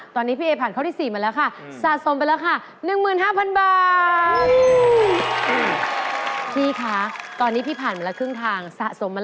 ต้องถูกกว่า๓๕บาท